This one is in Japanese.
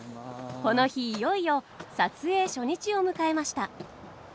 この日いよいよ撮影初日を迎えました。